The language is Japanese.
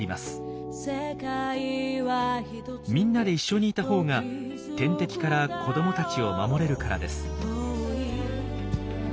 みんなで一緒にいたほうが天敵から子どもたちを守れるからです。